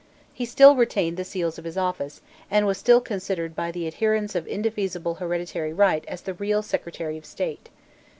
He still retained the seals of his office, and was still considered by the adherents of indefeasible hereditary right as the real Secretary of State.